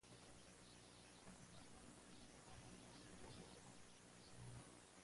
Descendiente de una antigua familia del Palatinado, nació en Heidelberg.